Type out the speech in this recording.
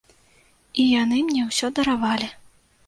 І яны мне ўсё даравалі.